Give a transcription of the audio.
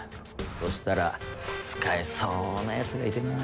そしたら使えそうな奴がいてな。